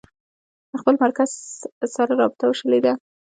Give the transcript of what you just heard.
د خپل مرکز سره رابطه وشلېده.